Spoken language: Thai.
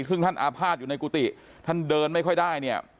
ซึ่งท่านอาภาษณ์อยู่ในกุฏิท่านเดินไม่ค่อยได้เนี่ย